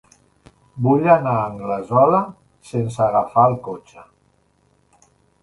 Vull anar a Anglesola sense agafar el cotxe.